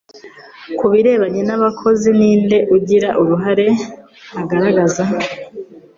Kubirebana n abakozi ni nde ugira uruhare agaragaza?